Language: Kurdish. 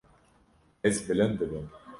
Ez bilind dibim.